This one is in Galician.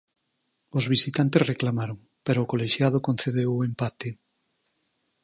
Os visitantes reclamaron pero o colexiado concedeu o empate.